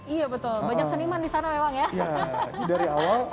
iya betul banyak seniman di sana memang ya